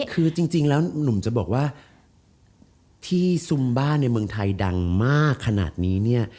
คือจริงแล้วหนุ่มจะบอกว่าที่ซุมบ้าในเมืองไทยดังมากขนาดนี้เนี่ย